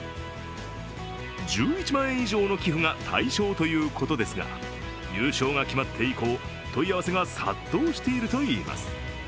１１万円以上の寄付が対象ということですが、優勝が決まって以降、問い合わせが殺到しているといいます。